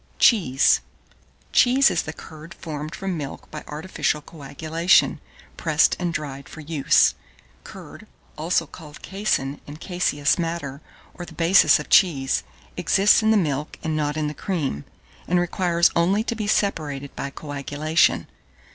CHEESE. 1620. CHEESE is the curd formed from milk by artificial coagulation, pressed and dried for use. Curd, called also casein and caseous matter, or the basis of cheese, exists in the milk, and not in the cream, and requires only to be separated by coagulation.